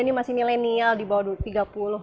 ini masih milenial di bawah tiga puluh